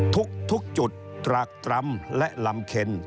ทุกจุดตรากตรำและลำเข็น